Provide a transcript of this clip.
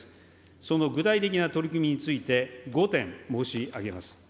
その具体的な取り組みについて５点、申し上げます。